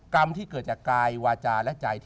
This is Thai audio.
กรรมที่เกิดจากกายวาจาและใจ